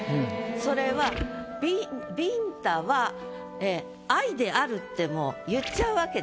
それは「ビンタは愛である」ってもう言っちゃうわけです。